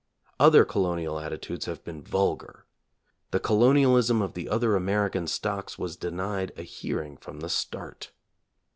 Other colonial attitudes have been vulgar. The colonialism of the other American stocks was denied a hearing from the start.